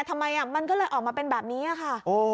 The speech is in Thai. ทำไมมันก็เลยออกมาเป็นแบบนี้ค่ะ